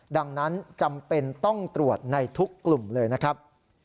ดังนั้นจำเป็นต้องตรวจในทุกกลุ่มเลยนะครับ